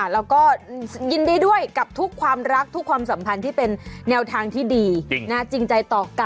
แล้วก็ยินดีด้วยกับทุกความรักทุกความสัมพันธ์ที่เป็นแนวทางที่ดีจริงใจต่อกัน